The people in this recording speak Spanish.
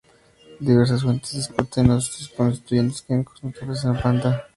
Diversas fuentes discuten los constituyentes químicos notables de la planta.